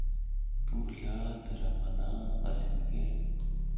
Ki mbuzla dalam hana asi mike ?